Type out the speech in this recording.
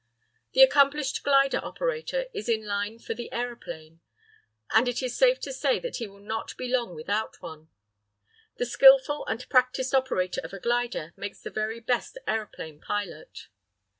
The accomplished glider operator is in line for the aeroplane, and it is safe to say that he will not be long without one. The skilful and practised operator of a glider makes the very best aeroplane pilot.